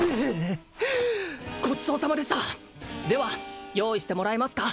ごちそうさまでしたでは用意してもらえますか？